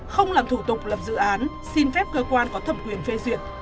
không làm thủ tục lập dự án xin phép cơ quan có thẩm quyền phê duyệt